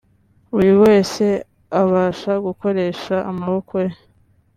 Buri wese abasha gukoresha amaboko ye